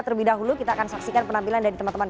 terlebih dahulu kita akan saksikan penampilan dari teman teman